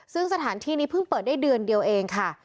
ซึ่งสถานที่นี้เพิ่งเปิดได้เดือนเดียวเองค่ะ